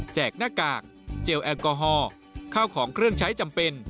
หน้ากากเจลแอลกอฮอล์ข้าวของเครื่องใช้จำเป็น